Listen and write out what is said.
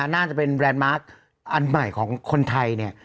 น่าจะเป็นแบรนด์มาร์คอันใหม่ของคนไทยเนี่ย